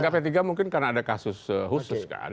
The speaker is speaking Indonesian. p tiga mungkin karena ada kasus khusus